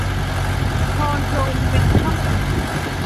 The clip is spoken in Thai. พรพรหมเม็ททอล